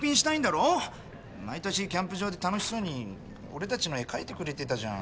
毎年キャンプ場で楽しそうに俺たちの絵描いてくれてたじゃん。